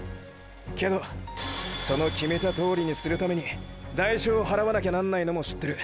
けどその決めたとおりにするために代償払わなきゃなんないのも知ってる。